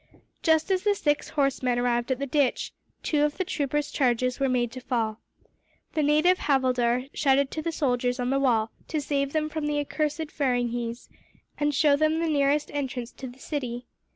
Just as the six horsemen arrived at the ditch, two of the troopers' chargers were made to fall. The native havildar shouted to the soldiers on the wall to save them from the accursed feringhees, and show them the nearest entrance to the city.